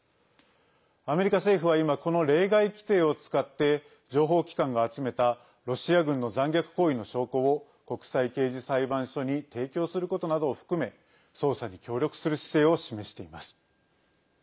アメリカ政府は今この例外規定を使って情報機関が集めたロシア軍の残虐行為の証拠を国際刑事裁判所に提供することなどを含め捜査に協力する姿勢を示しています。